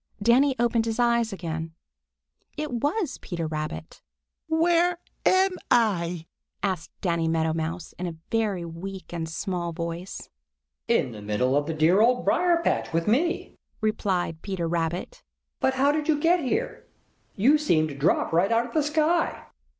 Danny opened his eyes again. It was Peter Rabbit. "Where—where am I?" asked Danny Meadow Mouse in a very weak and small voice. "In the middle of the dear Old Briar patch with me," replied Peter Rabbit. "But how did you get here? You seemed to drop right out of the sky."